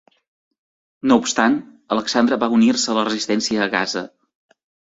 No obstant, Alexandre va unir-se a la resistència a Gaza.